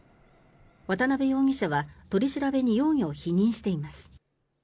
渡辺容疑者は取り調べに容疑を否認しています。